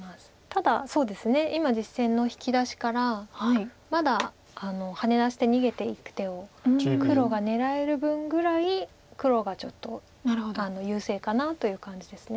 ただ今実戦の引き出しからまだハネ出して逃げていく手を黒が狙える分ぐらい黒がちょっと優勢かなという感じです。